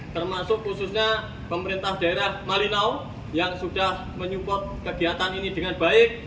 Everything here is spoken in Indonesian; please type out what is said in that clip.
termasuk khususnya pemerintah daerah malinau yang sudah menyupport kegiatan ini dengan baik